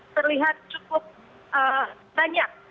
terlihat cukup banyak